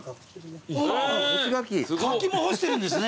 柿も干してるんですね。